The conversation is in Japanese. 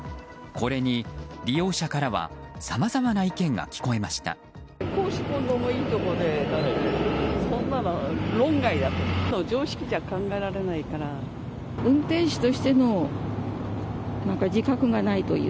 これに、利用者からはさまざまな意見が聞こえました。